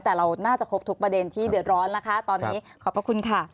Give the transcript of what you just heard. แต่เราน่าจะครบทุกประเด็นที่เดือดร้อนนะคะตอนนี้ขอบพระคุณค่ะ